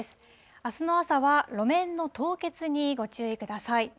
あすの朝は路面の凍結にご注意ください。